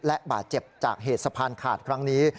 และบาดเจ็บจากเหตุสะพานขาดครั้งนี้